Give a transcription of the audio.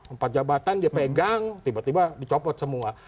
empat jabatan dia pegang tiba tiba dicopot semua